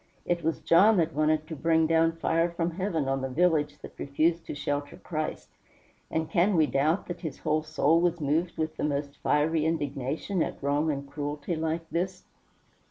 It was John that wanted to bring down fire from heaven on the village that refused to shelter Christ, and can we doubt that his whole soul was moved with the most fiery indignation at wrong and cruelty like this?